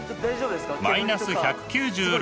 マイナス１９６